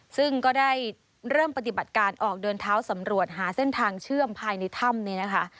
ซึ่งก็ได้เริ่มปฏิบัติการออกเดินเท้าสำรวจหาเส้นทางเชื่อมภายในถ้ำนี้นะคะ